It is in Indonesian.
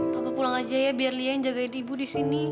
papa pulang saja ya biar lia yang menjaga ibu di sini